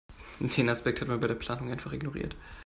Den Aspekt hat man bei der Planung einfach ignoriert.